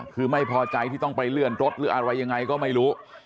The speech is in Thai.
คือไม่พอใจที่ต้องไปเลื่อนรถหรืออะไรยังไงก็ไม่รู้